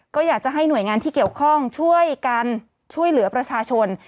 ก็อยากจะให้หน่วยงานที่เกี่ยวข้องช่วยกันช่วยเหลือประชาชน